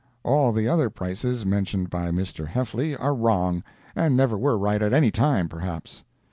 All the other prices mentioned by Mr. Heffly are wrong, and never were right at any time, perhaps.